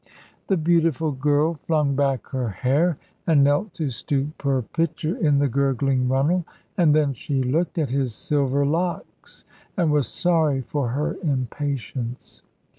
The beautiful girl flung back her hair, and knelt to stoop her pitcher in the gurgling runnel; and then she looked at his silver locks, and was sorry for her impatience.